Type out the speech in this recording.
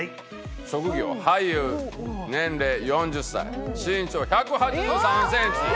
「職業俳優年齢４０歳」「身長１８３センチ」！